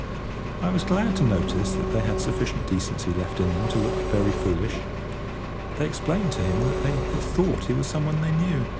I was glad to notice that they had sufficient decency left in them to look very foolish. They explained to him that they had thought he was some one they knew.